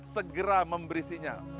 segera memberi sinyal